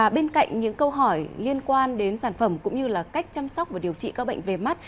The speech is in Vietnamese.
bên cạnh những câu hỏi liên quan đến sản phẩm cũng như là cách chăm sóc và điều trị các bệnh về mắt